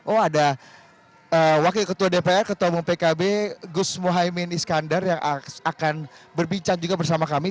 oh ada wakil ketua dpr ketua umum pkb gus mohaimin iskandar yang akan berbincang juga bersama kami